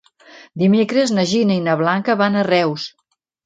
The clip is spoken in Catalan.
Dimecres na Gina i na Blanca van a Reus.